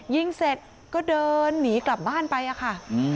ยิงเสร็จก็เดินหนีกลับบ้านไปอะค่ะ